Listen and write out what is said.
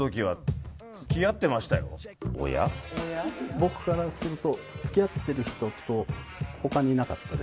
僕からすると。